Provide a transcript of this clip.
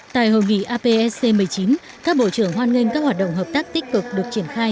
tại hội nghị apsc một mươi chín các bộ trưởng hoan nghênh các hoạt động hợp tác tích cực được triển khai